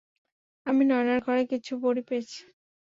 আমি নায়নার ঘরে কিছু বড়ি পেয়েছি।